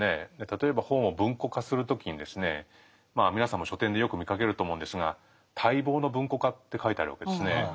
例えば本を文庫化する時に皆さんも書店でよく見かけると思うんですが「待望の文庫化」って書いてあるわけですね。